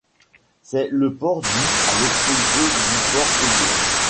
C'est le port dû, à l'opposé du port payé.